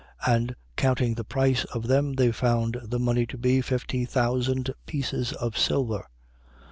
And, counting the price of them, they found the money to be fifty thousand pieces of silver.